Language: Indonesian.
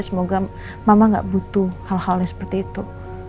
semoga mama gak butuh hal halnya seperti itu